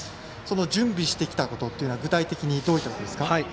準備してきたことは具体的にどういうことですか。